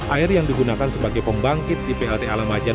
air yang digunakan sebagai pembangkit di plta alamajan